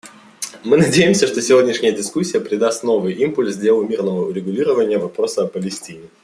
Мы надеемся, что сегодняшняя дискуссия придаст новый импульс делу мирного урегулирования вопроса о Палестине.